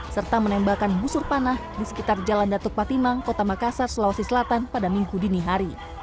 serta menembakkan busur panah di sekitar jalan datuk patimang kota makassar sulawesi selatan pada minggu dini hari